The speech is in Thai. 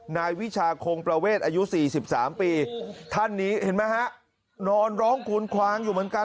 นายวิชาคงประเวทอายุ๔๓ปีท่านนี้เห็นไหมฮะนอนร้องควนควางอยู่เหมือนกัน